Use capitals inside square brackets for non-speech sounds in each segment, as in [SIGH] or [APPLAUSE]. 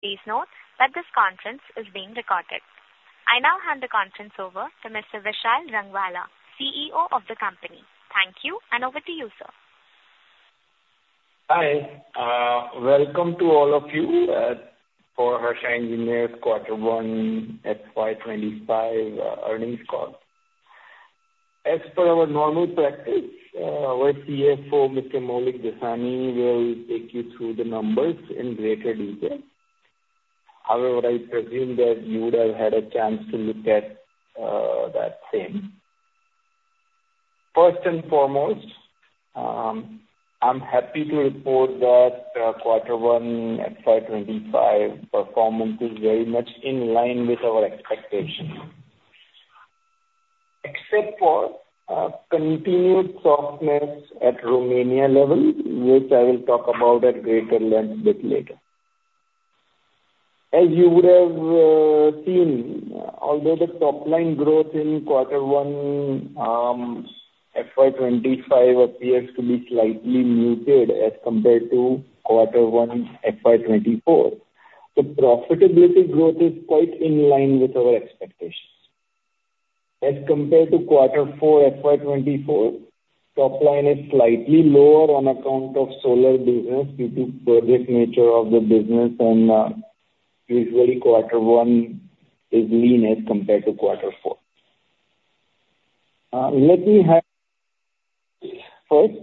Please note that this conference is being recorded. I now hand the conference over to Mr. Vishal Rangwala, CEO of the company. Thank you, and over to you, sir. Hi, welcome to all of you, for Harsha Engineers Quarter One FY 2025 Earnings Call. As per our normal practice, our CFO, Mr. Maulik Jasani, will take you through the numbers in greater detail. However, I presume that you would have had a chance to look at that same. First and foremost, I'm happy to report that quarter one FY 2025 performance is very much in line with our expectations. Except for continued softness at Romania level, which I will talk about at greater length bit later. As you would have seen, although the top line growth in quarter one FY 2025 appears to be slightly muted as compared to quarter one FY 2024, the profitability growth is quite in line with our expectations. As compared to quarter four, FY 2024, top line is slightly lower on account of solar business due to project nature of the business, and usually quarter one is lean as compared to quarter four. First,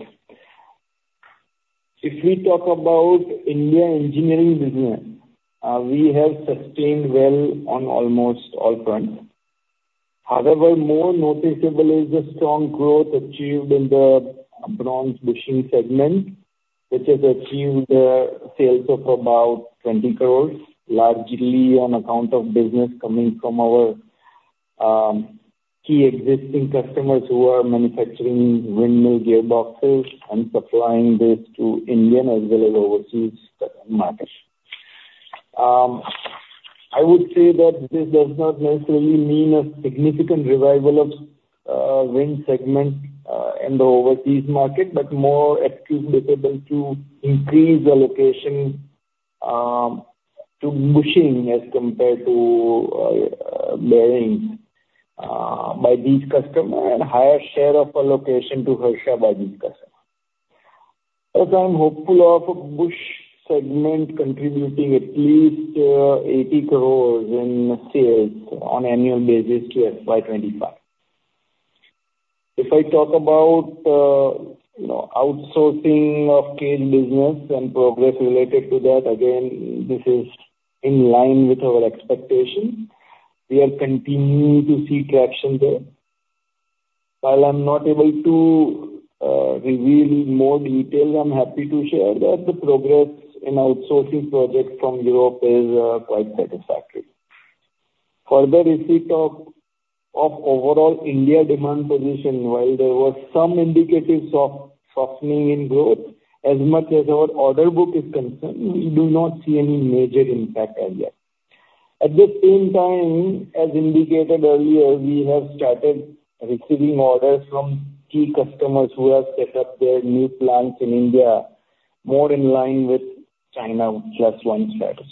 if we talk about India engineering business, we have sustained well on almost all fronts. However, more noticeable is the strong growth achieved in the bronze bushing segment, which has achieved sales of about 20 crore, largely on account of business coming from our key existing customers who are manufacturing windmill gearboxes and supplying this to Indian as well as overseas markets. I would say that this does not necessarily mean a significant revival of wind segment in the overseas market, but more attributable to increased allocation to bushings as compared to bearings by these customer, and higher share of allocation to Harsha by this customer. As I'm hopeful of bush segment contributing at least 80 crores in sales on annual basis to FY 2025. If I talk about you know, outsourcing of cage business and progress related to that, again, this is in line with our expectations. We are continuing to see traction there. While I'm not able to reveal more details, I'm happy to share that the progress in outsourcing project from Europe is quite satisfactory. Further, if we talk of overall India demand position, while there were some indicators of softening in growth, as much as our order book is concerned, we do not see any major impact as yet. At the same time, as indicated earlier, we have started receiving orders from key customers who have set up their new plants in India, more in line with China Plus One status.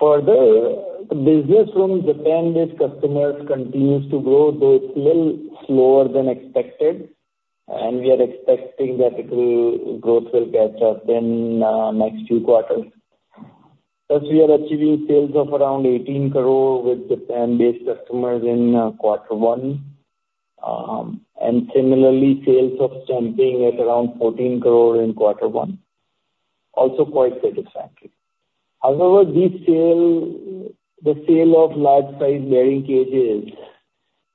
Further, the business from Japan-based customers continues to grow, though it's little slower than expected, and we are expecting that it will growth will catch up in next two quarters. Thus, we are achieving sales of around 18 crore with Japan-based customers in quarter one. And similarly, sales of stamping at around 14 crore in quarter one, also quite satisfactory. However, this sale, the sale of large-sized bearing cages,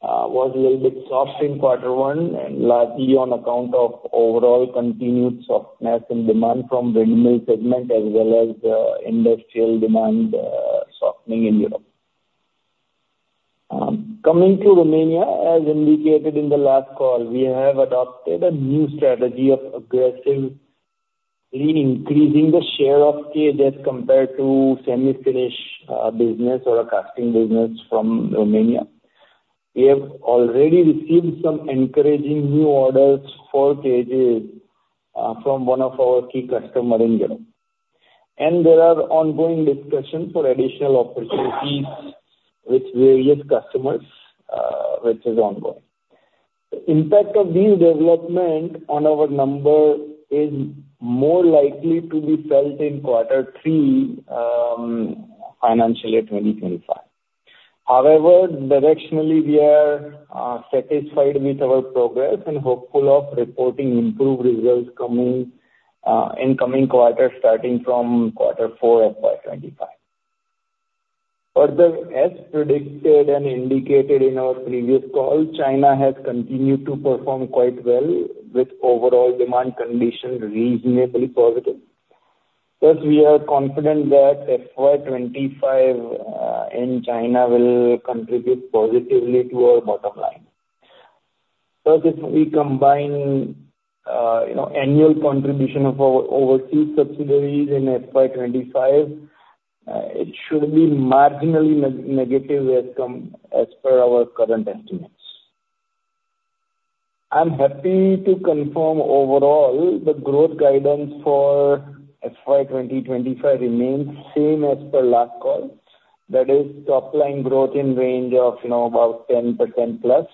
was a little bit soft in quarter one, and largely on account of overall continued softness and demand from windmill segment, as well as the industrial demand, softening in Europe. Coming to Romania, as indicated in the last call, we have adopted a new strategy of aggressively increasing the share of cages as compared to semi-finished, business or a casting business from Romania. We have already received some encouraging new orders for cages, from one of our key customer in Europe, and there are ongoing discussions for additional opportunities with various customers, which is ongoing. The impact of these development on our number is more likely to be felt in quarter three, financial year 2025. However, directionally, we are satisfied with our progress and hopeful of reporting improved results coming in coming quarters, starting from quarter four FY 2025. Further, as predicted and indicated in our previous call, China has continued to perform quite well, with overall demand conditions reasonably positive. Thus, we are confident that FY 2025 in China will contribute positively to our bottom line. So if we combine, you know, annual contribution of our overseas subsidiaries in FY 2025, it should be marginally negative, as per our current estimates. I'm happy to confirm overall, the growth guidance for FY 2025 remains same as per last call. That is, top line growth in range of, you know, about 10%+,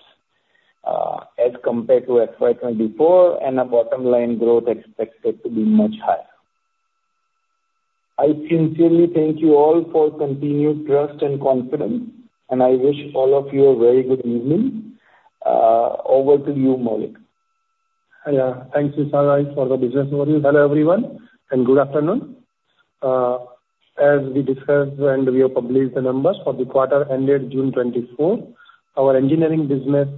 as compared to FY 2024, and a bottom line growth expected to be much higher. I sincerely thank you all for continued trust and confidence, and I wish all of you a very good evening. Over to you, Maulik. Yeah. Thank you, Vishal, for the business overview. Hello, everyone, and good afternoon. As we discussed and we have published the numbers for the quarter ended June 2024, our engineering business,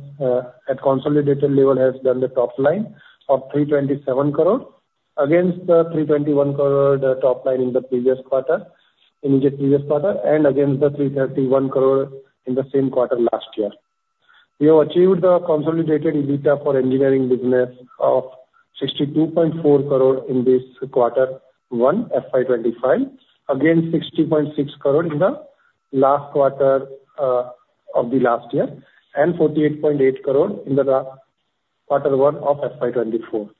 at consolidated level, has done the top line of 327 crore, against the 321 crore, the top line in the previous quarter, in the previous quarter, and against the 331 crore in the same quarter last year. We have achieved the consolidated EBITDA for engineering business of 62.4 crore in this quarter one FY 2025, against 60.6 crore in the last quarter, of the last year, and 48.8 crore in the, quarter one of FY 2024.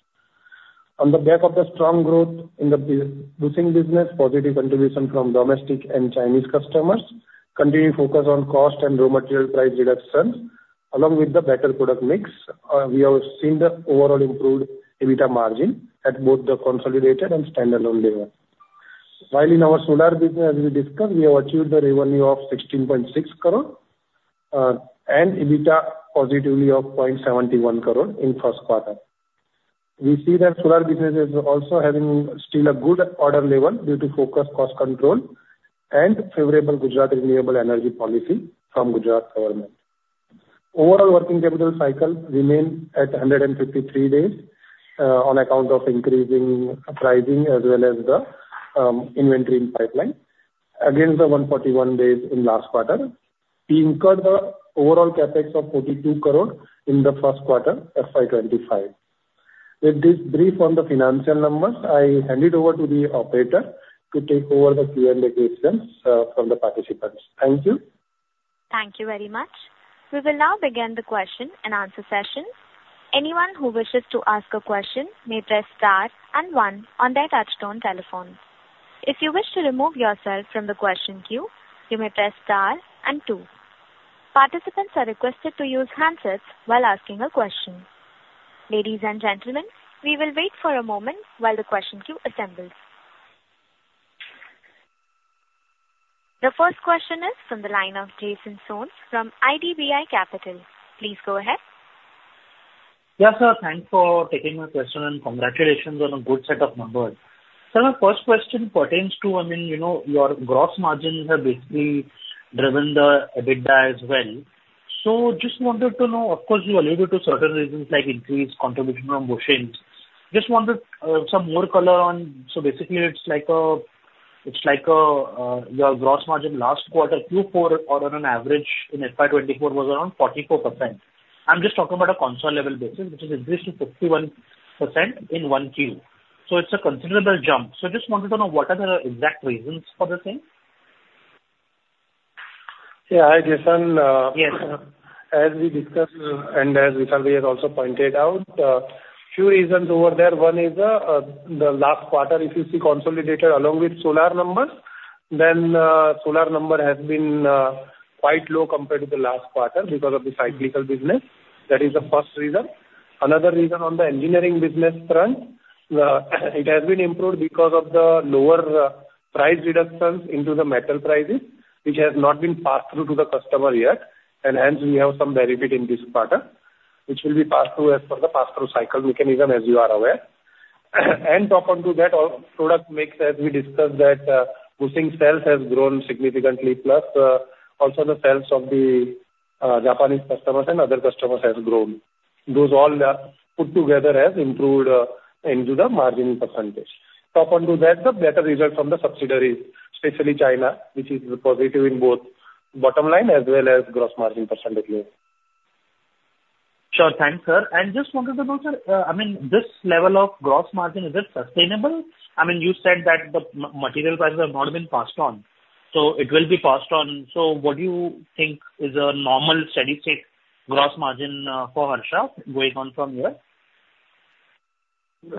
On the back of the strong growth in the bushing business, positive contribution from domestic and Chinese customers, continuing focus on cost and raw material price reductions, along with the better product mix, we have seen the overall improved EBITDA margin at both the consolidated and standalone level. While in our solar business, as we discussed, we have achieved the revenue of 16.6 crore, and EBITDA positively of 0.71 crore in first quarter. We see that solar business is also having still a good order level, due to focused cost control and favorable Gujarat Renewable Energy Policy from Gujarat government. Overall working capital cycle remains at 153 days, on account of increasing pricing as well as the, inventory in pipeline, against the 141 days in last quarter. We incurred the overall CapEx of 42 crore in the first quarter, FY 2025. With this brief on the financial numbers, I hand it over to the operator to take over the Q&A questions from the participants. Thank you. Thank you very much. We will now begin the question and answer session. Anyone who wishes to ask a question may press star and one on their touch-tone telephone. If you wish to remove yourself from the question queue, you may press star and two. Participants are requested to use handsets while asking a question. Ladies and gentlemen, we will wait for a moment while the question queue assembles. The first question is from the line of Jason Soans from IDBI Capital. Please go ahead. Yeah, sir, thanks for taking my question, and congratulations on a good set of numbers. So my first question pertains to, I mean, you know, your gross margins have basically driven the EBITDA as well. So just wanted to know, of course, you alluded to certain reasons like increased contribution from bushings. Just wanted some more color on, so basically it's like a, your gross margin last quarter, Q4, on an average in FY 2024 was around 44%. I'm just talking about a consolidated level basis, which has increased to 51% in 1Q. So it's a considerable jump. So just wanted to know, what are the exact reasons for this thing? Yeah, hi, Jason. Yes, sir. As we discussed, and as Vishal has also pointed out, few reasons over there. One is, the last quarter, if you see consolidated along with solar numbers, then, solar number has been quite low compared to the last quarter because of the cyclical business. That is the first reason. Another reason on the engineering business front, it has been improved because of the lower price reductions into the metal prices, which has not been passed through to the customer yet, and hence we have some benefit in this quarter, which will be passed through as per the pass-through cycle mechanism, as you are aware. And top on to that, product mix, as we discussed, that bushing sales has grown significantly, plus also the sales of the Japanese customers and other customers has grown. Those all put together has improved into the margin percentage. On top of that, the better result from the subsidiaries, especially China, which is positive in both bottom line as well as gross margin percentage here. Sure. Thanks, sir. And just wanted to know, sir, I mean, this level of gross margin, is it sustainable? I mean, you said that the material prices have not been passed on, so it will be passed on. So what do you think is a normal steady-state gross margin, for Harsha going on from here?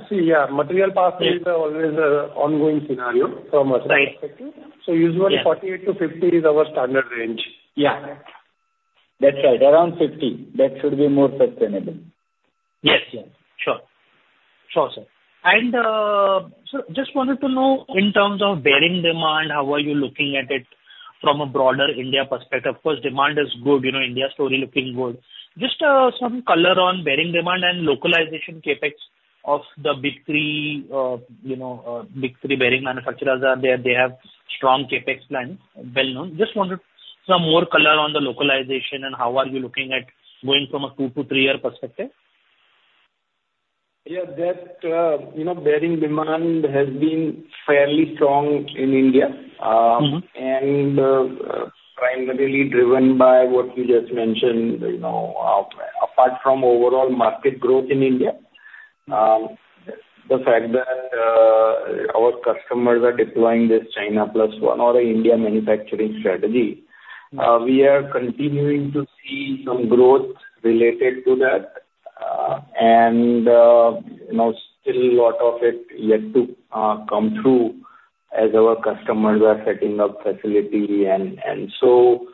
See, yeah, material pass through is always an ongoing scenario from a sales perspective. So usually 48-50 is our standard range. Yeah, I agree. That's right. Around 50, that should be more sustainable. Yes, sure. Sure, sir. And, so just wanted to know in terms of bearing demand, how are you looking at it from a broader India perspective? Of course, demand is good, you know, India story looking good. Just, some color on bearing demand and localization CapEx of the big three, you know, big three bearing manufacturers are there. They have strong CapEx plans, well-known. Just wanted some more color on the localization and how are you looking at going from a two to three-year perspective? Yeah, that, you know, bearing demand has been fairly strong in India, and primarily driven by what you just mentioned, you know, apart from overall market growth in India. The fact that our customers are deploying this China Plus One or the India manufacturing strategy, we are continuing to see some growth related to that. And, you know, still a lot of it yet to come through as our customers are setting up facilities. And so,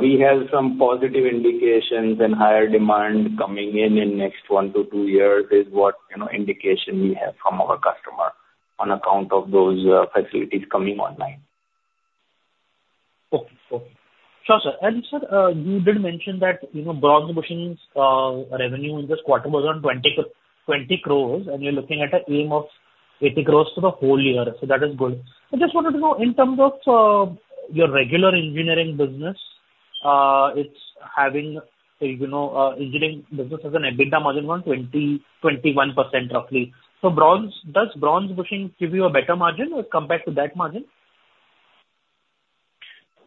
we have some positive indications and higher demand coming in, in next one to two years is what, you know, indication we have from our customer on account of those, facilities coming online. Okay. Okay. Sure, sir. And sir, you did mention that, you know, bronze bushings revenue in this quarter was 120 crores, and you're looking at an aim of 80 crores for the whole year, so that is good. I just wanted to know, in terms of your regular engineering business, it's having, you know, engineering business as an EBITDA margin of 21%, roughly. So bronze, does bronze bushing give you a better margin compared to that margin?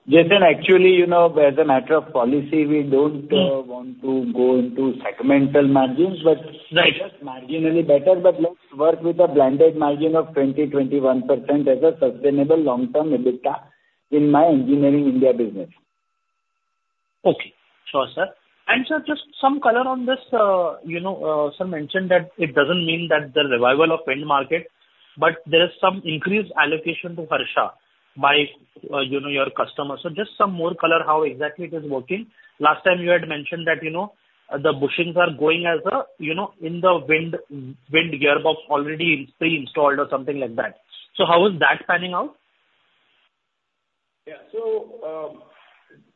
Jason, actually, you know, as a matter of policy, we don't want to go into segmental margins, but just marginally better, but let's work with a blended margin of 20%-21% as a sustainable long-term EBITDA in my engineering India business. Okay. Sure, sir. And sir, just some color on this, you know, some mention that it doesn't mean that the revival of wind market, but there is some increased allocation to Harsha by, you know, your customers. So just some more color, how exactly it is working? Last time you had mentioned that, you know, the bushings are going as a, you know, in the wind, wind gearbox, already pre-installed or something like that. So how is that panning out? Yeah. So,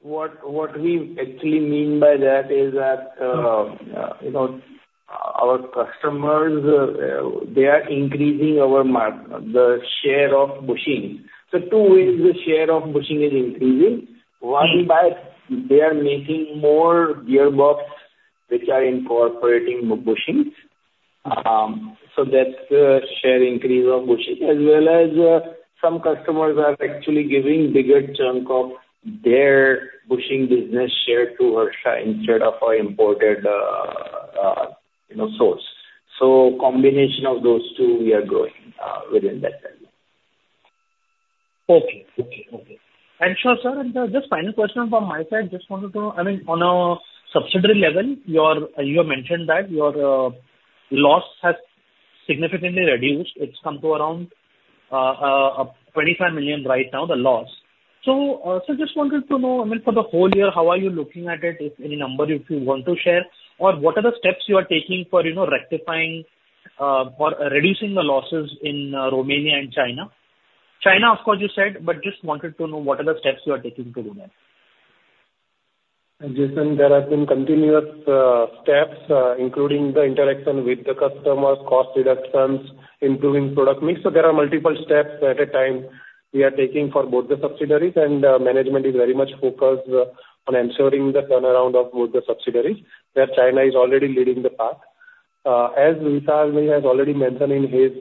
what we actually mean by that is that, you know, our customers, they are increasing the share of bushings. So two ways the share of bushings is increasing: One, by the way they are making more gearboxes which are incorporating bushings. So that's the share increase of bushings. As well as, some customers are actually giving bigger chunk of their bushing business share to Harsha instead of our imported, you know, source. So combination of those two, we are growing within that segment. Okay. Okay, okay. And sure, sir, and, just final question from my side. Just wanted to know, I mean, on a subsidiary level, you have mentioned that your, loss has significantly reduced. It's come to around 25 million right now, the loss. So, so just wanted to know, I mean, for the whole year, how are you looking at it? If any number you want to share, or what are the steps you are taking for, you know, rectifying, or reducing the losses in, Romania and China? China, of course, you said, but just wanted to know what are the steps you are taking to do that. And Jason, there have been continuous steps, including the interaction with the customers, cost reductions, improving product mix. So there are multiple steps at a time we are taking for both the subsidiaries, and management is very much focused on ensuring the turnaround of both the subsidiaries, where China is already leading the path. As Vishal has already mentioned in his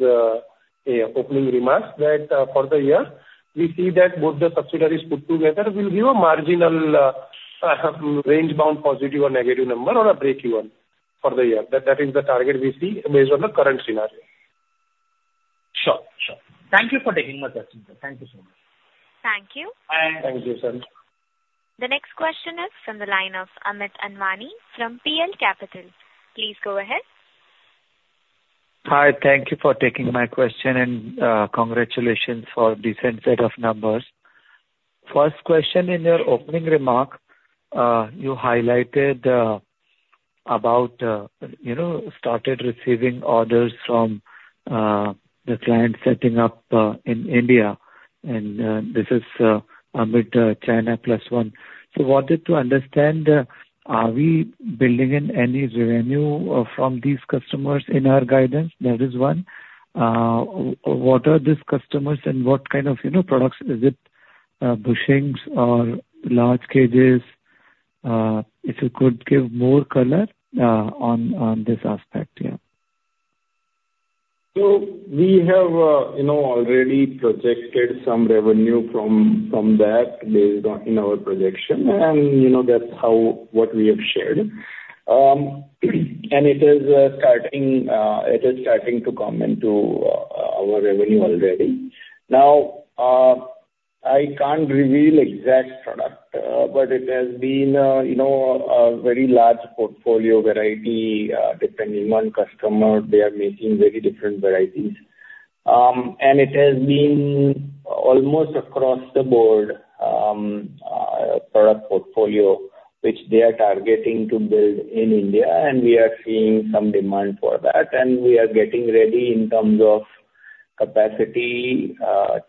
opening remarks, that for the year, we see that both the subsidiaries put together will give a marginal range-bound positive or negative number on a break-even for the year. That is the target we see based on the current scenario. Sure. Sure. Thank you for taking my question, sir. Thank you so much. Thank you. Thanks, Jason. The next question is from the line of Amit Anwani from PL Capital. Please go ahead. Hi. Thank you for taking my question, and, congratulations for decent set of numbers. First question, in your opening remark, you highlighted, about, you know, started receiving orders from, the client setting up, in India, and, this is, amid China Plus One. So wanted to understand, are we building in any revenue, from these customers in our guidance? That is one. What are these customers and what kind of, you know, products? Is it, bushings or large cages? If you could give more color, on this aspect, yeah. So we have, you know, already projected some revenue from that, based on in our projection, and, you know, that's how what we have shared. And it is starting to come into our revenue already. Now, I can't reveal exact product, but it has been, you know, a very large portfolio variety, depending on customer, they are making very different varieties. And it has been almost across the board, product portfolio, which they are targeting to build in India, and we are seeing some demand for that, and we are getting ready in terms of capacity,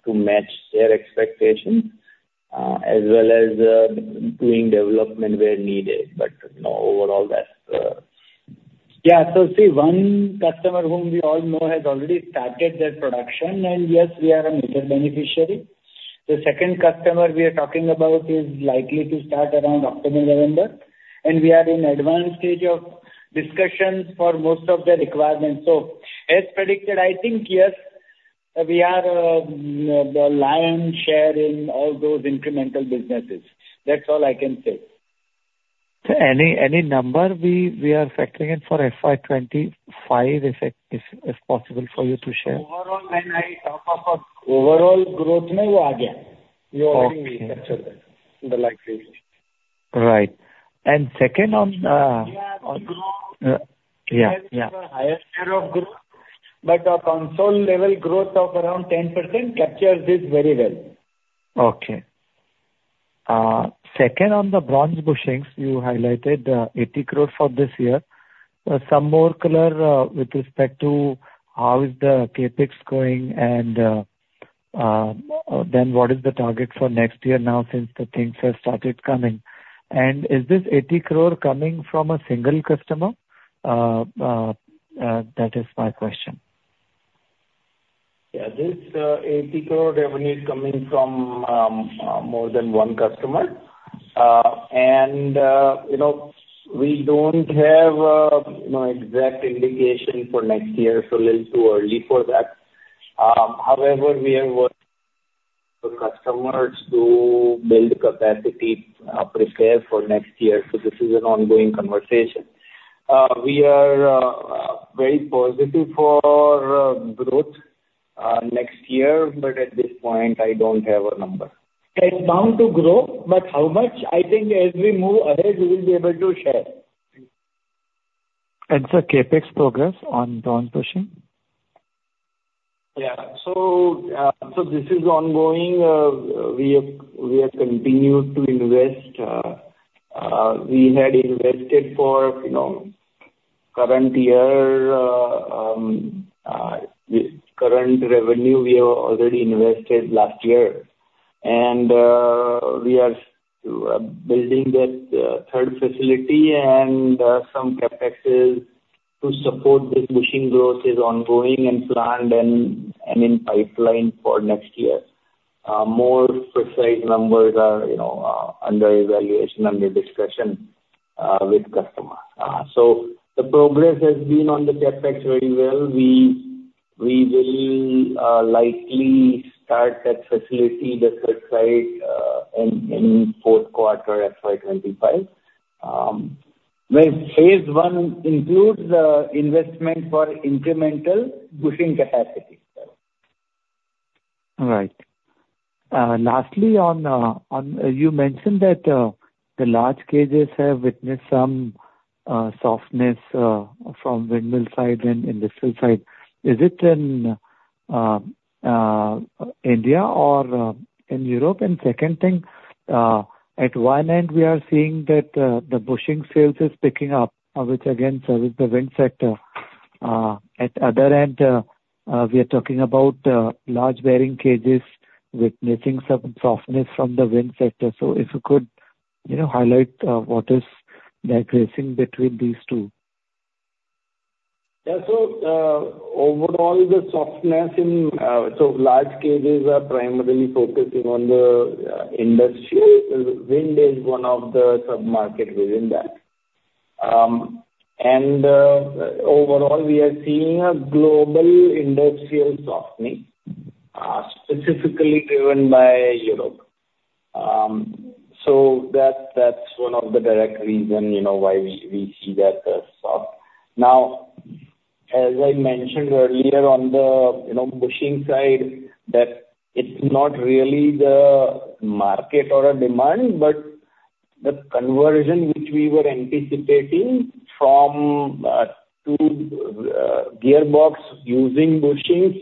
to match their expectations, as well as doing development where needed. But no, overall, that's... Yeah, so see, one customer whom we all know has already started their production, and yes, we are a major beneficiary. The second customer we are talking about is likely to start around October, November, and we are in advanced stage of discussions for most of the requirements. So as predicted, I think, yes, we are the lion's share in all those incremental businesses. That's all I can say. So any number we are factoring in for FY 2025, if possible for you to share? Overall, when I talk about, it is included in the overall growth, [CROSSTALK] we already captured that, the Right. Second, on the grow. Higher share of growth, but our consolidated level growth of around 10% captures this very well. Okay. Second, on the bronze bushings, you highlighted, eighty crore for this year. Some more color with respect to how is the CapEx going, and, then what is the target for next year now, since the things have started coming? And is this eighty crore coming from a single customer? That is my question. Yeah, this 80 crore revenue is coming from more than one customer. And you know, we don't have exact indication for next year, so little too early for that. However, we have worked with customers to build capacity, prepare for next year, so this is an ongoing conversation. We are very positive for growth next year, but at this point, I don't have a number. It's bound to grow, but how much, I think as we move ahead, we will be able to share. And sir, CapEx progress on bronze bushing? Yeah. So, so this is ongoing. We have continued to invest. We had invested for, you know, current year, with current revenue, we have already invested last year. And, we are building that, third facility and, some CapExes to support this bushing growth is ongoing and planned and, in pipeline for next year. More precise numbers are, you know, under evaluation, under discussion, with customers. So the progress has been on the CapEx very well. We will likely start that facility, the third site, in fourth quarter, FY 2025. Where phase I includes the investment for incremental bushing capacity. Right. Lastly on, you mentioned that the large cages have witnessed some softness from windmill side and industrial side. Is it in India or in Europe? And second thing, at one end, we are seeing that the bushing sales is picking up, which again serves the wind sector. At other end, we are talking about large bearing cages witnessing some softness from the wind sector. So if you could, you know, highlight what is decreasing between these two. Yeah. So, overall, the softness in so large cages are primarily focusing on the industrial. Wind is one of the submarket within that. And, overall, we are seeing a global industrial softening, specifically driven by Europe. So that, that's one of the direct reason, you know, why we see that soft. Now, as I mentioned earlier on the, you know, bushing side, that it's not really the market or a demand, but the conversion which we were anticipating from to gearbox using bushings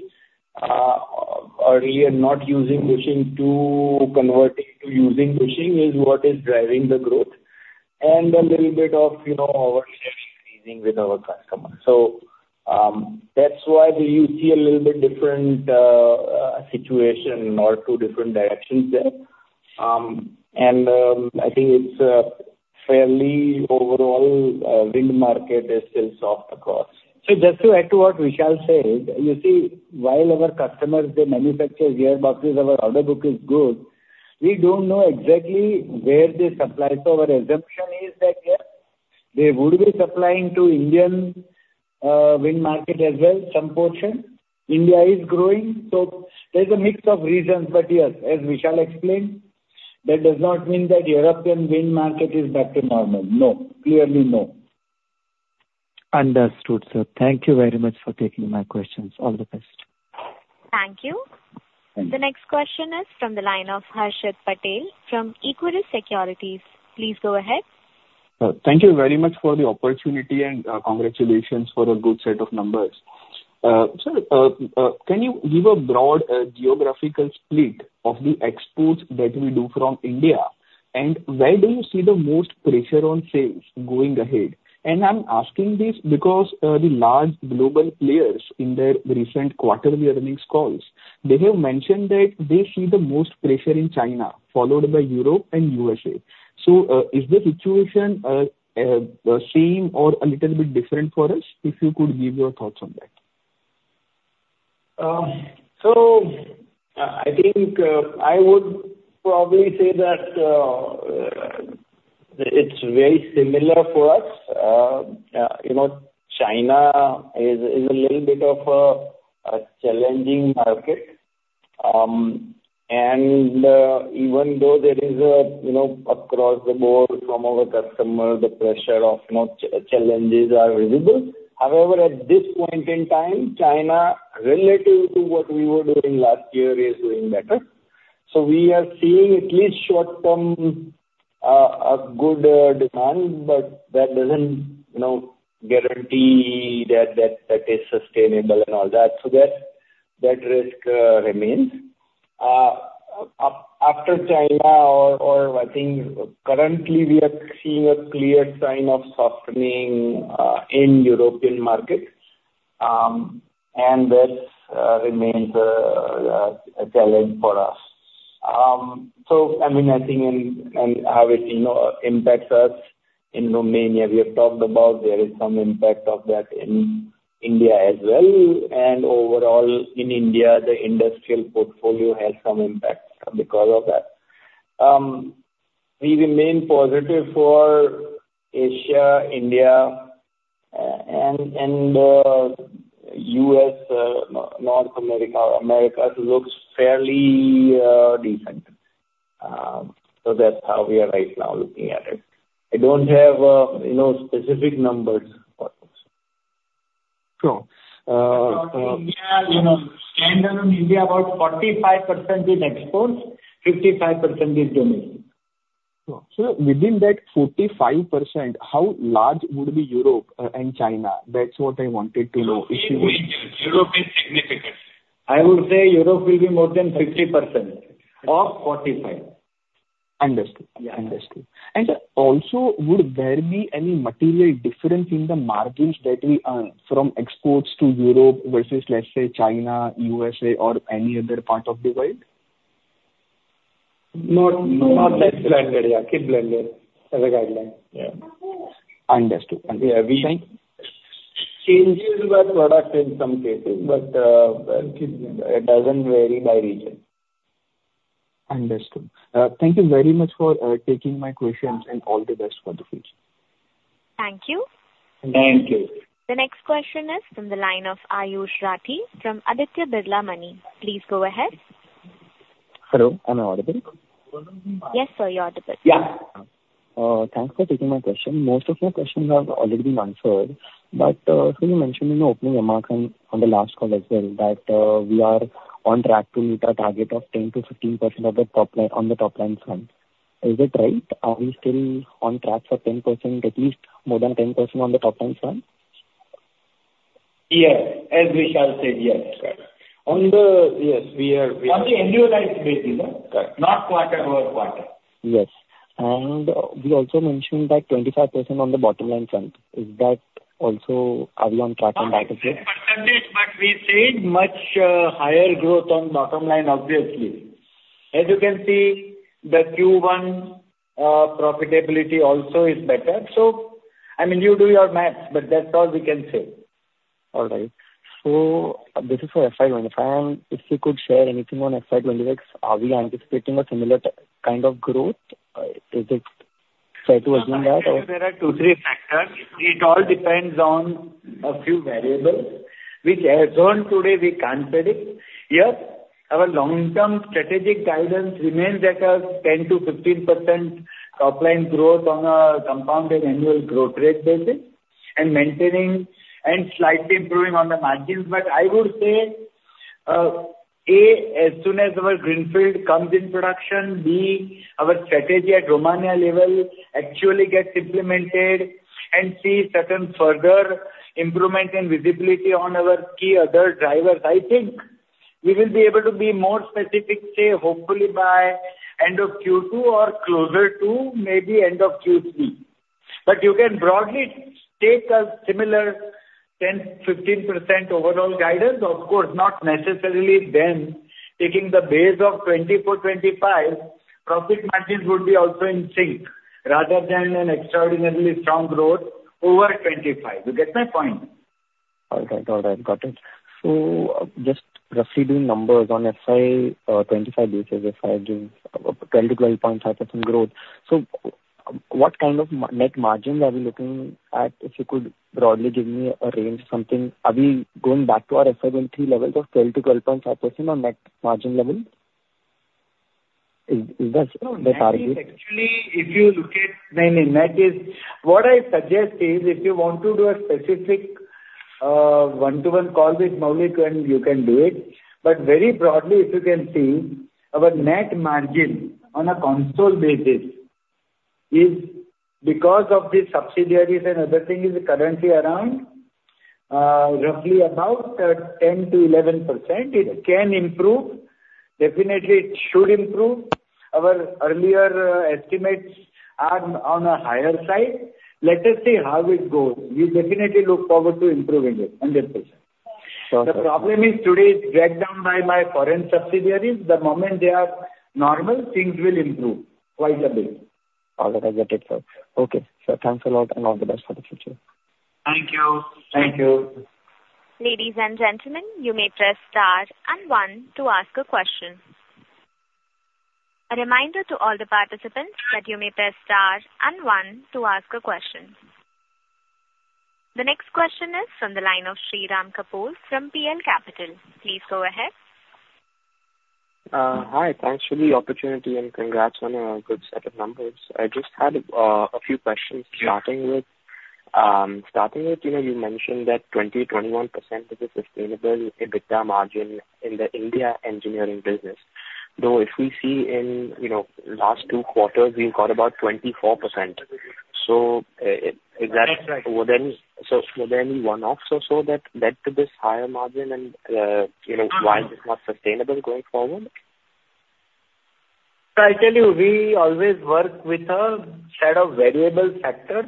or earlier not using bushing to converting to using bushing, is what is driving the growth. And a little bit of, you know, with our customers. So, that's why you see a little bit different situation or two different directions there. I think it's a fairly overall wind market is still soft across. So just to add to what Vishal said, you see, while our customers, they manufacture gearboxes, our order book is good, we don't know exactly where they supply. So our assumption is that, yeah, they would be supplying to Indian wind market as well, some portion. India is growing, so there's a mix of reasons, but yes, as Vishal explained, that does not mean that European wind market is back to normal. No. Clearly, no. Understood, sir. Thank you very much for taking my questions. All the best. Thank you. Thank you. The next question is from the line of Harshit Patel from Equirus Securities. Please go ahead. Thank you very much for the opportunity, and, congratulations for a good set of numbers. Can you give a broad geographical split of the exports that we do from India? And where do you see the most pressure on sales going ahead? And I'm asking this because, the large global players in their recent quarterly earnings calls, they have mentioned that they see the most pressure in China, followed by Europe and U.S.A. Is the situation the same or a little bit different for us? If you could give your thoughts on that. So I think I would probably say that it's very similar for us. You know, China is a little bit of a challenging market, and even though there is, you know, across the board from our customer, the pressure of more challenges are visible. However, at this point in time, China, relative to what we were doing last year, is doing better. So we are seeing at least short-term, a good demand, but that doesn't, you know, guarantee that is sustainable and all that. So that risk remains. After China, I think currently we are seeing a clear sign of softening in European markets, and that remains a challenge for us. So I mean, I think and how it, you know, impacts us in Romania, we have talked about, there is some impact of that in India as well. And overall in India, the industrial portfolio has some impact because of that. We remain positive for Asia, India, and U.S., North America. Americas looks fairly decent. So that's how we are right now looking at it. I don't have, you know, specific numbers for this. Sure. About India, you know, standard on India, about 45% is exports, 55% is domestic. Within that 45%, how large would be Europe and China? That's what I wanted to know. Europe is significant. I would say Europe will be more than 50% of 45%. Understood. Yeah, understood. And also, would there be any material difference in the margins that we from exports to Europe versus, let's say, China, U.S.A. or any other part of the world? Not, that's blended, yeah. Keep blended as a guideline. Yeah. Understood. Thanks. Changes by product in some cases, but, well, it doesn't vary by region. Understood. Thank you very much for taking my questions, and all the best for the future. Thank you. Thank you. The next question is from the line of Aayush Rathi from Aditya Birla Money. Please go ahead. Hello, am I audible? Yes, sir, you're audible. Yeah. Thanks for taking my question. Most of my questions have already been answered, but, so you mentioned in the opening remarks and on the last call as well, that, we are on track to meet our target of 10%-15% of the top line, on the top line front. Is it right? Are we still on track for 10%, at least more than 10% on the top line front? Yes. As Vishal said, yes. Correct. On the, yes, we are. On the annualized base, not quarter-over-quarter. Yes. And we also mentioned that 25% on the bottom line front. Is that also are we on track on that as well? Not exact percentage, but we've seen much higher growth on bottom line, obviously. As you can see, the Q1 profitability also is better. So I mean, you do your math, but that's all we can say. All right. So this is for FY 2025. And if you could share anything on FY 2026, are we anticipating a similar kind of growth, is it fair to assume that or? There are two to three factors. It all depends on a few variables, which as on today, we can't predict. Yes, our long-term strategic guidance remains at a 10%-15% top line growth on a compounded annual growth rate basis, and maintaining and slightly improving on the margins. But I would say, A, as soon as our greenfield comes in production, B, our strategy at Romania level actually gets implemented, and, C, certain further improvement in visibility on our key other drivers. I think we will be able to be more specific, say, hopefully by end of Q2 or closer to maybe end of Q3. But you can broadly take a similar 10%-15% overall guidance. Of course, not necessarily then taking the base of 2024, 2025, profit margins would be also in sync, rather than an extraordinarily strong growth over 2025. You get my point? All right. All right, got it. So just roughly doing numbers on FY 2025 basis, FY doing 12%-12.5% growth. So what kind of net margins are we looking at? If you could broadly give me a range, something. Are we going back to our FY 2023 levels of 12%-12.5% on net margin levels? Is that the target? No actually, if you look at—that is, what I suggest is, if you want to do a specific one-to-one call with Maulik and you can do it. But very broadly, if you can see, our net margin on a consolidated basis is because of the subsidiaries and other thing is currently around roughly about 10%-11%. It can improve. Definitely, it should improve. Our earlier estimates are on a higher side. Let us see how it goes. We definitely look forward to improving it. Understand, sir. Sure, sir. The problem is today, it's dragged down by foreign subsidiaries. The moment they are normal, things will improve quite a bit. All right. I get it, sir. Okay, sir, thanks a lot, and all the best for the future. Thank you. Thank you. Ladies and gentlemen, you may press star and one to ask a question. A reminder to all the participants that you may press star and one to ask a question. The next question is from the line of Shirom Kapur from PL Capital. Please go ahead. Hi, thanks for the opportunity, and congrats on a good set of numbers. I just had a few questions. Starting with, you know, you mentioned that 20%, 21% is a sustainable EBITDA margin in the India engineering business. Though if we see in, you know, last two quarters, we've got about 24%. So, is that, were there any one-offs or so that led to this higher margin and, you know, why is it not sustainable going forward? I tell you, we always work with a set of variable factors.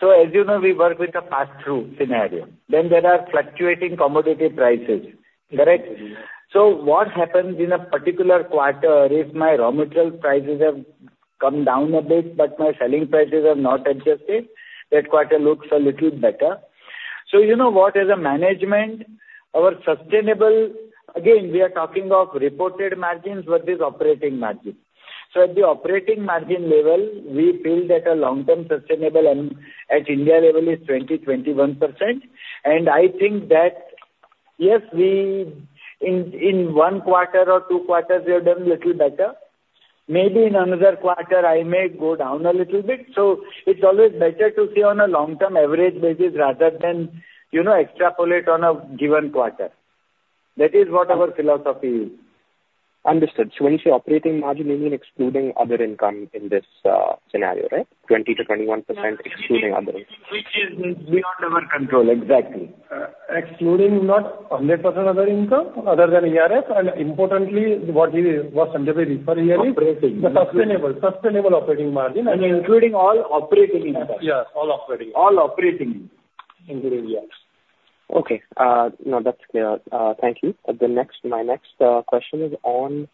So as you know, we work with a passthrough scenario. Then there are fluctuating commodity prices, correct? So what happens in a particular quarter, if my raw material prices have come down a bit but my selling prices have not adjusted, that quarter looks a little better. So you know what, as a management, our sustainable... Again, we are talking of reported margins versus operating margins. So at the operating margin level, we feel that a long-term sustainable and at India level is 20%-21%. And I think that, yes, we in, in one quarter or two quarters, we have done little better. Maybe in another quarter I may go down a little bit. So it's always better to see on a long-term average basis rather than, you know, extrapolate on a given quarter. That is what our philosophy is. Understood. So when you say operating margin, you mean excluding other income in this scenario, right? 20%-21%, excluding other income. Which is beyond our control, exactly. Excluding not 100% other income other than ERF, and importantly, what Sanjay is referring here is the sustainable operating margin. Including all operating income. Yes, all operating. All operating income. Including, yes. Okay, no, that's clear. Thank you. The next, my next, question is on,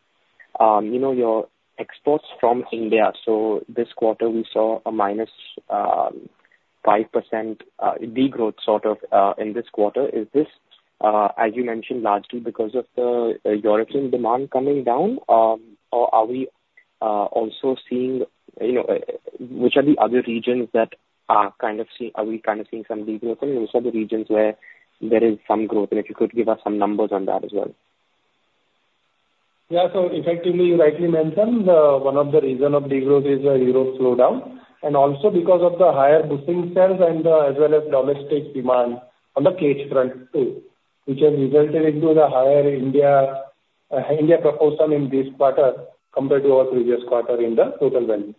you know, your exports from India. So this quarter we saw a minus, 5%, degrowth, sort of, in this quarter. Is this, as you mentioned, largely because of the European demand coming down? Or are we also seeing, you know, which are the other regions that are kind of seeing some degrowth, and those are the regions where there is some growth, and if you could give us some numbers on that as well? Yeah. So effectively, you rightly mentioned, one of the reason of degrowth is the Europe slowdown, and also because of the higher boosting sales and, as well as domestic demand on the cage front, too, which has resulted into the higher India, India proportion in this quarter compared to our previous quarter in the total value.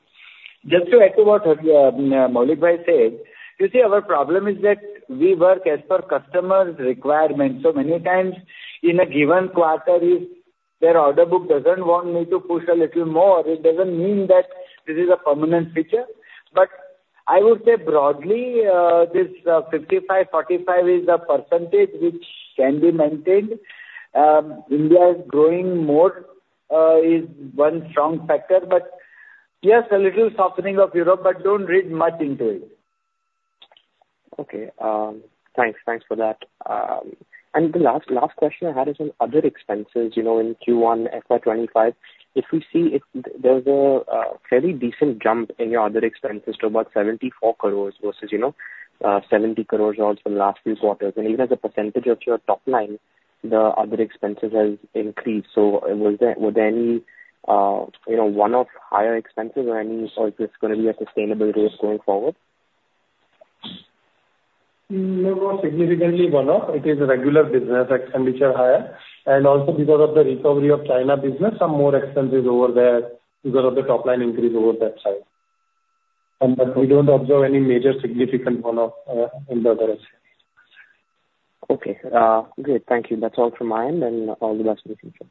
Just to add to what Maulik Bhai said, you see, our problem is that we work as per customer's requirements. So many times, in a given quarter, if their order book doesn't want me to push a little more, it doesn't mean that this is a permanent feature. But I would say broadly, this 55%-45% is the percentage which can be maintained. India is growing more, is one strong factor, but yes, a little softening of Europe, but don't read much into it. Okay. Thanks. Thanks for that. And the last, last question I had is on other expenses. You know, in Q1 FY 2025, if we see it, there's a fairly decent jump in your other expenses to about 74 crores versus, you know, 70 crores from the last few quarters. And even as a percentage of your top line, the other expenses has increased. So was there, were there any, you know, one-off higher expenses or any, or is this going to be a sustainable rate going forward? Not significantly one-off. It is a regular business expenditure higher, and also because of the recovery of China business, some more expenses over there because of the top line increase over that side. But we don't observe any major significant one-off in the other expenses. Okay, great. Thank you. That's all from my end, and all the best in the future.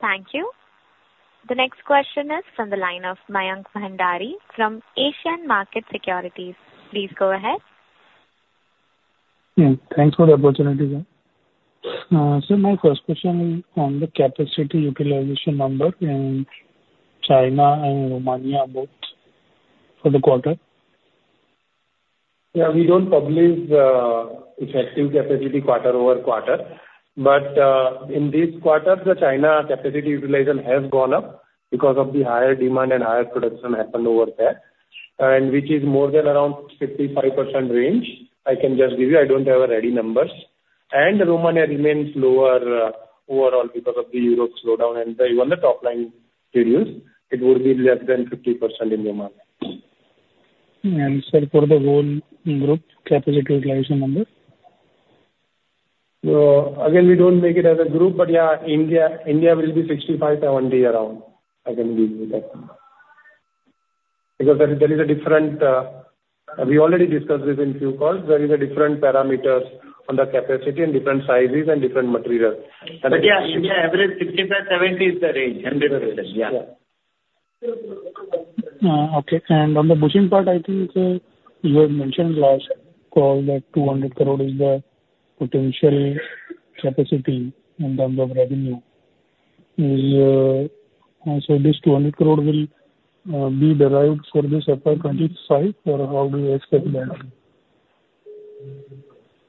Thank you. The next question is from the line of Mayank Bhandari from Asian Markets Securities. Please go ahead. Yeah, thanks for the opportunity. So my first question is on the capacity utilization number in China and Romania, both, for the quarter. Yeah, we don't publish effective capacity quarter-over-quarter, but in this quarter, the China capacity utilization has gone up because of the higher demand and higher production happened over there, and which is more than around 55% range. I can just give you. I don't have a ready numbers. Romania remains lower overall, because of the Europe slowdown and even the top line reduced. It would be less than 50% in Romania. Sir, for the whole group, capacity utilization number? Again, we don't make it as a group, but yeah, India, India will be 65%, 70% around. I can give you that number. Because there is, there is a different, we already discussed this in few calls. There is a different parameters on the capacity and different sizes and different materials. But yeah, India average 60%-70% is the range, under the range, yeah. Okay. And on the bushing part, I think you had mentioned last call that 200 crore is the potential capacity in terms of revenue. So this 200 crore will be derived for this FY 2025, or how do you expect that?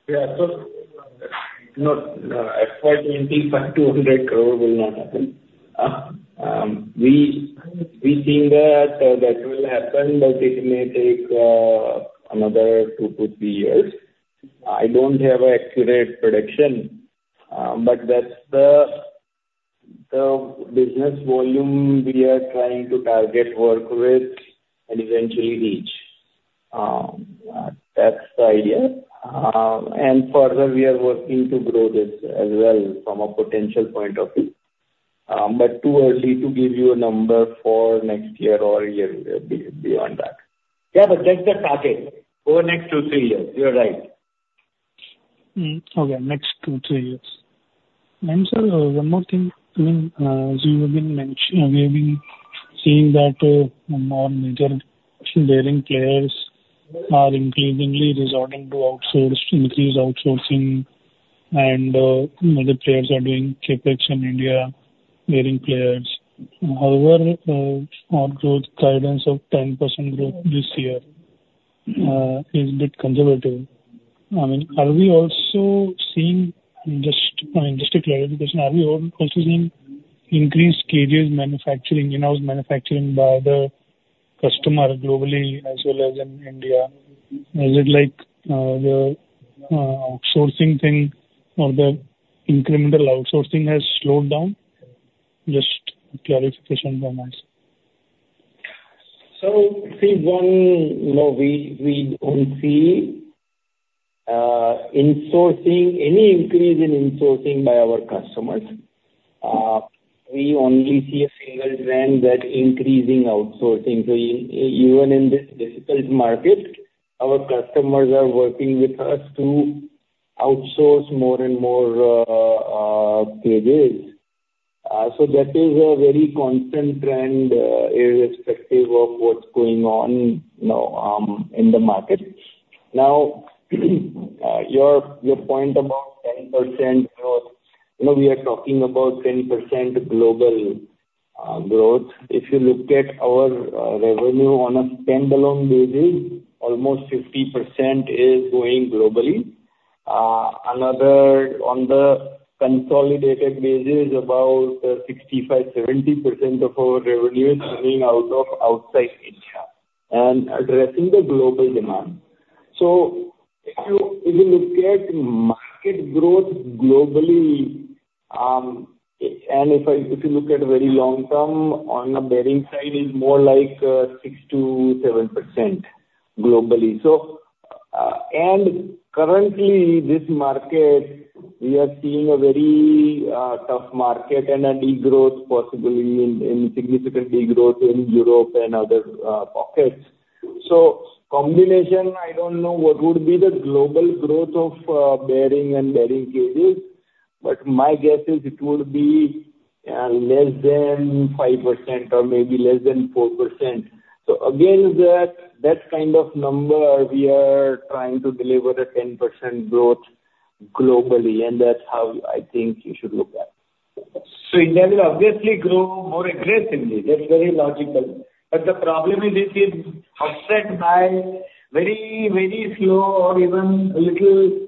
Yeah, so, no, FY 2025 by 200 crore will not happen. We think that will happen, but it may take another two to three years. I don't have an accurate prediction, but that's the business volume we are trying to target, work with, and eventually reach. That's the idea. And further, we are working to grow this as well from a potential point of view, but too early to give you a number for next year or year beyond that. Yeah, but that's the target over next two to three years. You're right. Okay, next two to three years. Sir, one more thing. I mean, we've been seeing that more major bearing players are increasingly resorting to outsource, increase outsourcing, and you know, the players are doing CapEx in India, bearing players. However, our growth guidance of 10% growth this year is a bit conservative. I mean, are we also seeing, just, I mean, just a clarification, are we also seeing increased cages manufacturing, in-house manufacturing by the customer globally as well as in India? Is it like the outsourcing thing or the incremental outsourcing has slowed down? Just clarification from us. So, phase I, you know, we don't see any increase in insourcing by our customers. We only see a single trend: increasing outsourcing. So even in this difficult market, our customers are working with us to outsource more and more cages. So that is a very constant trend, irrespective of what's going on, you know, in the market. Now, your point about 10% growth, you know, we are talking about 10% global growth. If you look at our revenue on a standalone basis, almost 50% is going globally. On the consolidated basis, about 65%-70% of our revenue is coming from outside India and addressing the global demand. So if you, if you look at market growth globally, and if I, if you look at very long term, on the bearing side, is more like, 6%-7% globally. So, and currently, this market, we are seeing a very, tough market and a degrowth, possibly in, in significant degrowth in Europe and other, pockets. So combination, I don't know what would be the global growth of, bearing and bearing cages, but my guess is it would be, less than 5% or maybe less than 4%. So again, that, that kind of number, we are trying to deliver the 10% growth globally, and that's how I think you should look at it. So India will obviously grow more aggressively, that's very logical. But the problem is, it is offset by very, very slow or even a little,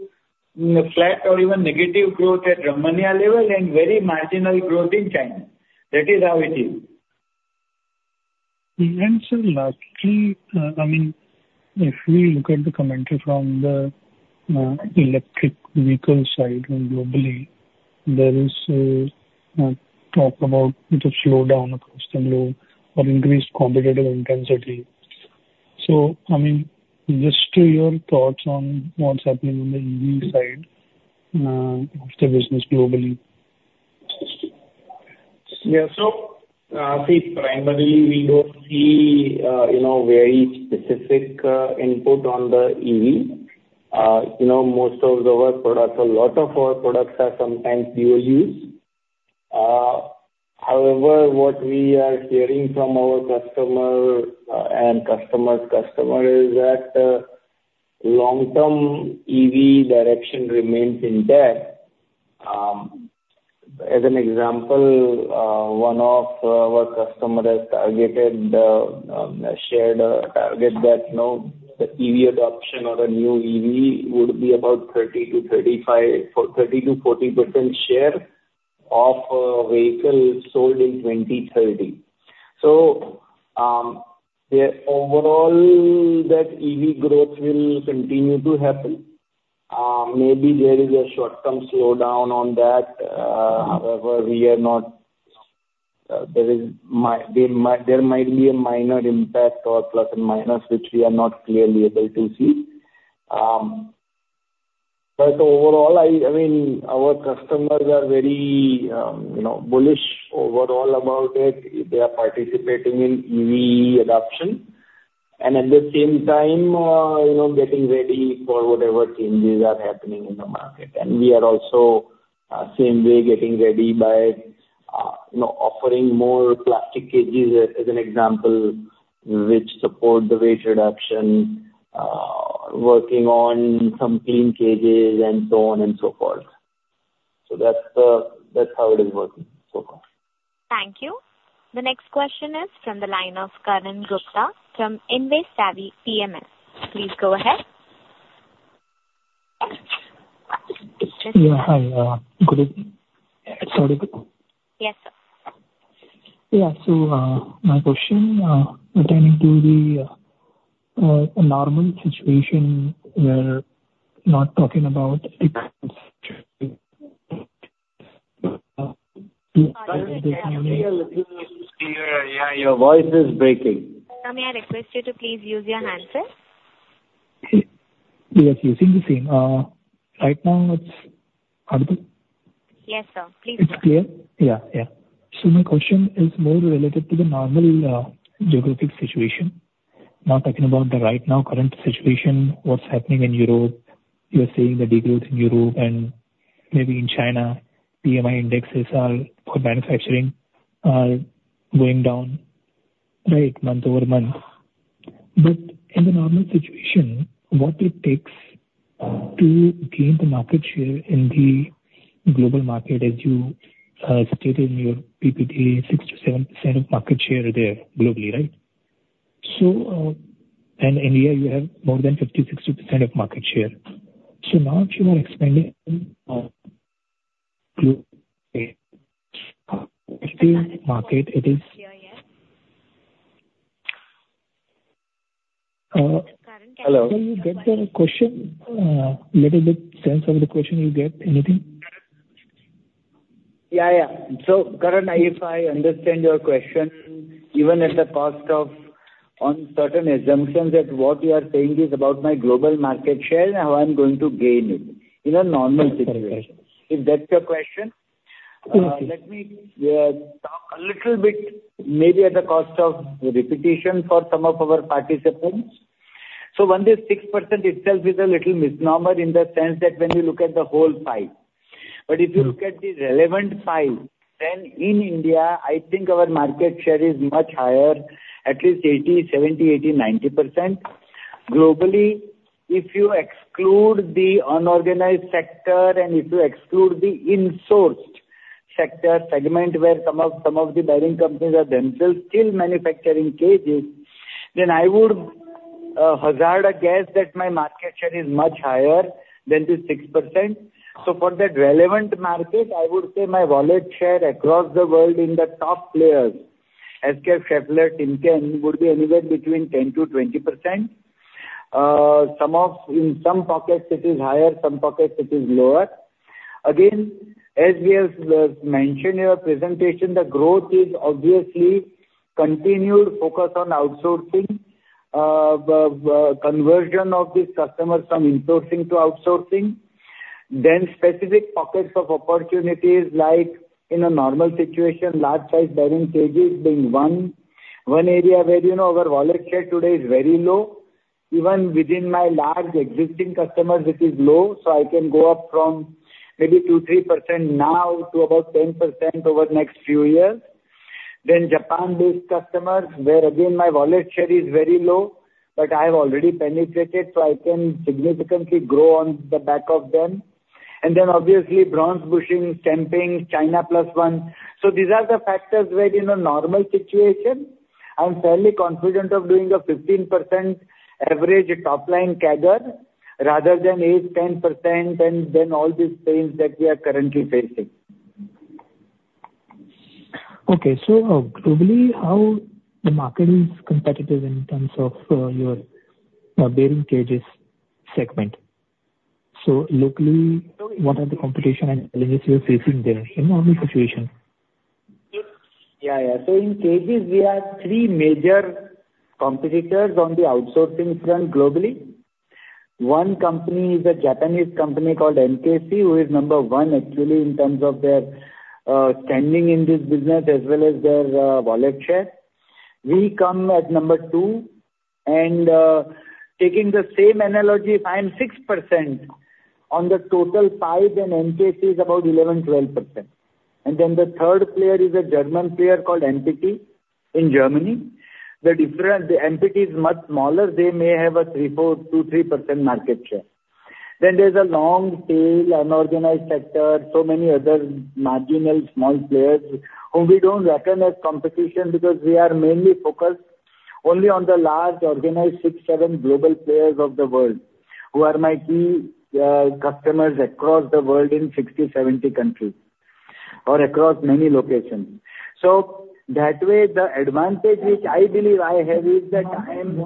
flat or even negative growth at Romania level and very marginal growth in China. That is how it is. Sir, lastly, I mean, if we look at the commentary from the electric vehicle side and globally, there is talk about the slowdown across the globe or increased competitive intensity. So, I mean, just your thoughts on what's happening on the EV side of the business globally? Yeah. So, see, primarily we don't see, you know, very specific input on the EV. You know, most of our products, a lot of our products are sometimes dual use. However, what we are hearing from our customer and customer's customer is that long-term EV direction remains intact. As an example, one of our customer has targeted, shared a target that, you know, the EV adoption or a new EV would be about 30%-35%, for 30%-40% share of vehicles sold in 2030. So, the overall, that EV growth will continue to happen. Maybe there is a short-term slowdown on that. However, we are not, there might be a minor impact or plus and minus, which we are not clearly able to see. But overall, I mean, our customers are very, you know, bullish overall about it. They are participating in EV adoption and at the same time, you know, getting ready for whatever changes are happening in the market. And we are also, same way, getting ready by, you know, offering more plastic cages, as an example, which support the weight reduction, working on some clean cages and so on and so forth. So that's how it is working so far. Thank you. The next question is from the line of Karan Gupta from InvestSavvy PMS. Please go ahead. Yeah, hi, good evening. Sorry, good? Yes, sir. Yeah, so, my question pertaining to the normal situation, we're not talking about it. Yeah, your voice is breaking. Sir, may I request you to please use your handset? Yes, using the same. Right now it's audible? Yes, sir. Please go ahead. It's clear? Yeah, yeah. So my question is more related to the normal geographic situation. Not talking about the right now current situation, what's happening in Europe. You're saying the degrowth in Europe and maybe in China, PMI indexes are, for manufacturing, are going down, right, month-over-month. But in the normal situation, what it takes to gain the market share in the global market, as you stated in your PPT, 6%-7% of market share there globally, right? So, and India, you have more than 50%, 60% of market share. So now you are expanding global market, it is- Hear, yeah. Hello? [CROSSTALK] Did you get the question? Little bit sense of the question you get anything? Yeah, yeah. So, Karan, if I understand your question, even at the cost of on certain assumptions, that what you are saying is about my global market share and how I'm going to gain it in a normal situation. Is that your question? [CROSSTALK] Let me talk a little bit, maybe at the cost of repetition for some of our participants. So one, this 6% itself is a little misnomer in the sense that when you look at the whole pie, but if you look at the relevant pie, then in India, I think our market share is much higher, at least 80%, 70%, 80%, 90%. Globally, if you exclude the unorganized sector and if you exclude the insourced sector segment, where some of, some of the bearing companies are themselves still manufacturing cages, then I would hazard a guess that my market share is much higher than the 6%. So for that relevant market, I would say my wallet share across the world in the top players, SKF, Schaeffler, Timken, would be anywhere between 10%-20%. Some of... In some pockets it is higher, some pockets it is lower. Again, as we have mentioned in your presentation, the growth is obviously continued focus on outsourcing, the conversion of these customers from insourcing to outsourcing. Then specific pockets of opportunities, like in a normal situation, large size bearing cages being one, one area where, you know, our wallet share today is very low. Even within my large existing customers, it is low, so I can go up from maybe 2%-3% now to about 10% over the next few years. Then Japan-based customers, where again, my wallet share is very low, but I have already penetrated, so I can significantly grow on the back of them. And then obviously bronze bushing, stamping, China Plus One. These are the factors wherein a normal situation, I'm fairly confident of doing a 15% average top line CAGR, rather than 8%-10%, and then all these pains that we are currently facing. Okay. So, globally, how the market is competitive in terms of, your bearing cages segment? So locally, what are the competition and challenges you're facing there in normal situation? Yeah, yeah. So in cages, we have three major competitors on the outsourcing front globally. One company is a Japanese company called NKC, who is number one actually, in terms of their standing in this business as well as their wallet share. We come at number two, and taking the same analogy, if I am 6% on the total pie, then NKC is about 11%-12%. And then the third player is a German player called MPT in Germany. The difference, the MPT is much smaller. They may have a 2%-3% market share. Then there's a long tail, unorganized sector, so many other marginal small players whom we don't reckon as competition, because we are mainly focused only on the large, organized, 6, 7 global players of the world, who are my key customers across the world in 60, 70 countries or across many locations. So that way, the advantage which I believe I have, is that I am,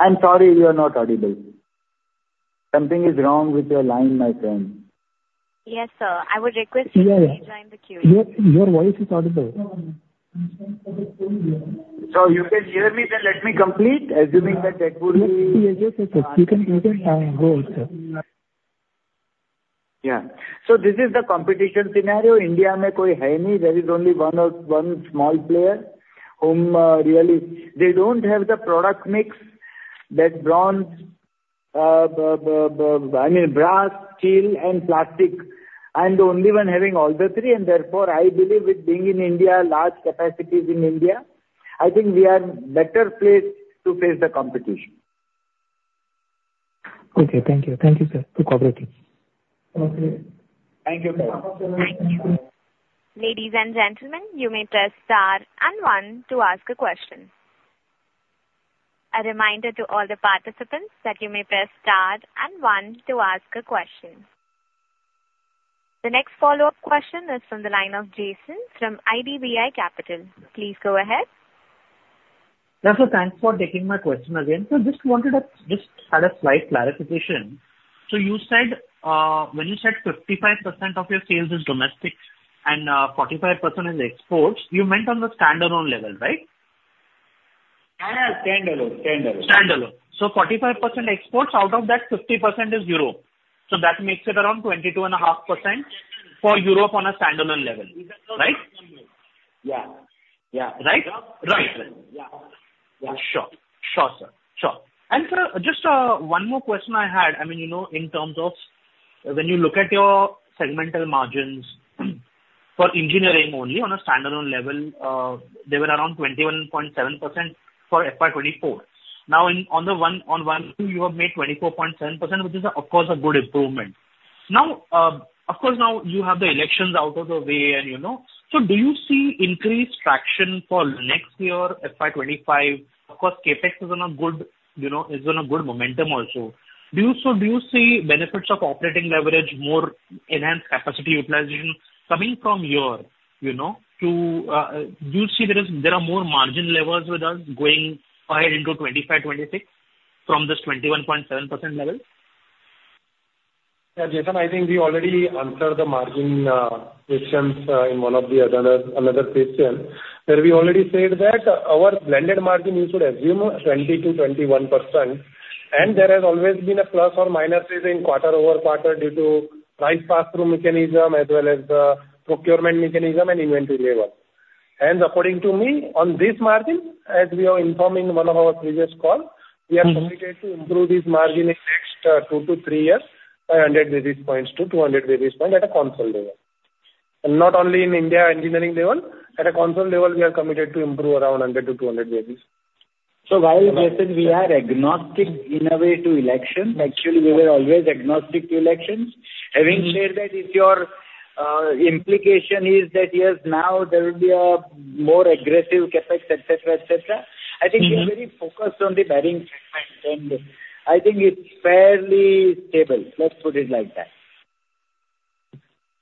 I'm sorry, you are not audible. Something is wrong with your line, my friend. Yes, sir, I would request you to please join the queue. Your voice is audible. You can hear me, then let me complete, assuming that that would be- Yes, yes, yes. [CROSSTALK] You can, you can, go on, sir. Yeah. So this is the competition scenario. India, there is only one small player whom really they don't have the product mix, that bronze, I mean, brass, steel and plastic. I'm the only one having all the three, and therefore, I believe with being in India, large capacities in India, I think we are better placed to face the competition. Okay, thank you. Thank you, sir, for cooperating. Okay. Thank you. Thank you. Ladies and gentlemen, you may press star and one to ask a question. A reminder to all the participants that you may press star and one to ask a question. The next follow-up question is from the line of Jason from IDBI Capital. Please go ahead. Yeah, so thanks for taking my question again. So just wanted to just have a slight clarification. So you said, when you said 55% of your sales is domestic and, 45% is exports, you meant on the standalone level, right? Standalone, standalone. Standalone. So 45% exports, out of that 50% is Europe. So that makes it around 22.5% for Europe on a standalone level, right? Yeah. Yeah. Right? Right. Yeah. Yeah. Sure. Sure, sir. Sure. And, sir, just one more question I had, I mean, you know, in terms of when you look at your segmental margins for engineering only on a standalone level, they were around 21.7% for FY 2024. Now, in Q1 FY 2025, you have made 24.7% which is, of course, a good improvement. Now, of course, now you have the elections out of the way and, you know. So do you see increased traction for next year, FY 2025? Of course, CapEx is on a good momentum also. So do you see benefits of operating leverage, more enhanced capacity utilization coming from here, you know, to, do you see there are more margin levels, without going far into 25%, 26%, from this 21.7% level? Yeah, Jason, I think we already answered the margin questions in one of the other, another question. Where we already said that our blended margin, you should assume 20%-21%, and there has always been a plus or minuses in quarter-over-quarter due to price pass-through mechanism, as well as the procurement mechanism and inventory level. And according to me, on this margin, as we are informing one of our previous call, we are committed to improve this margin in next two to three years, by 100 basis points to 200 basis points at a consolidated level. And not only in India engineering level, at a consolidated level, we are committed to improve around 100-200 basis. So while, Jason, we are agnostic in a way to elections, actually we were always agnostic to elections. Having said that, if your implication is that, yes, now there will be a more aggressive CapEx, et cetera, et cetera. I think we're very focused on the bearing segment, and I think it's fairly stable. Let's put it like that.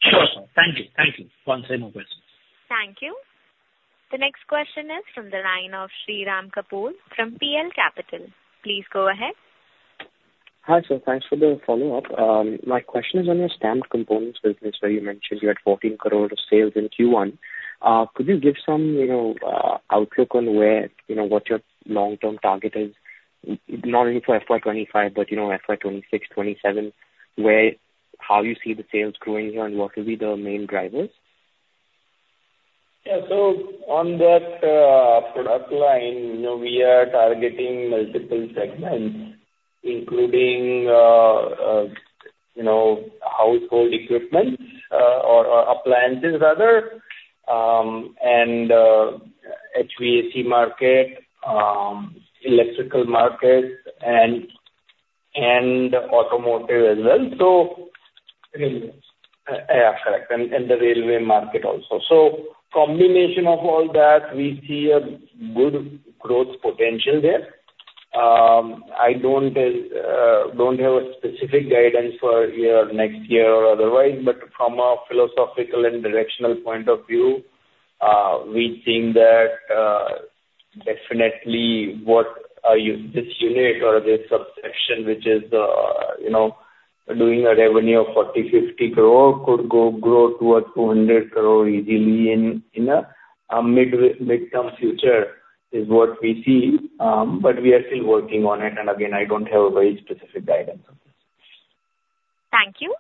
Sure, sir. Thank you. Thank you. Once again, more questions. Thank you. The next question is from the line of Shirom Kapur from PL Capital. Please go ahead. Hi, sir, thanks for the follow-up. My question is on your stamped components business, where you mentioned you had 14 crore of sales in Q1. Could you give some, you know, outlook on where, you know, what your long-term target is, not only for FY 2025, but, you know, FY 2026, 2027, where, how you see the sales growing here, and what will be the main drivers? Yeah. So on that product line, you know, we are targeting multiple segments, including, you know, household equipment, or appliances rather, and HVAC market, electrical market and automotive as well. So- Railways. Yeah, correct, and the railway market also. So combination of all that, we see a good growth potential there. I don't have a specific guidance for year, next year or otherwise, but from a philosophical and directional point of view, we think that, definitely what, this unit or this subsection, which is, you know, doing a revenue of 40 crore-50 crore, could grow towards 200 crore easily in a midway, midterm future, is what we see. But we are still working on it, and again, I don't have a very specific guidance on this. Thank you.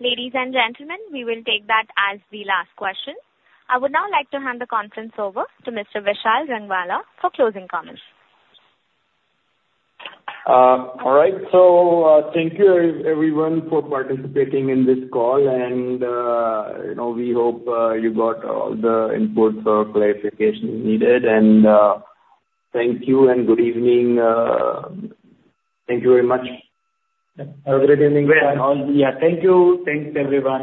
Ladies and gentlemen, we will take that as the last question. I would now like to hand the conference over to Mr. Vishal Rangwala for closing comments. All right. Thank you, everyone for participating in this call, and, you know, we hope you got all the inputs or clarifications needed. Thank you and good evening. Thank you very much. Have a good evening and all. Yeah, thank you. Thanks, everyone.